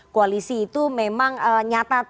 koalisi itu memang nyata